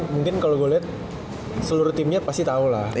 mungkin kalo gue liat seluruh timnya pasti tau lah